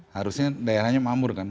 harusnya daerahnya mamur kan